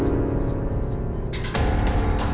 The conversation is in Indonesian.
boleh tak coba bawain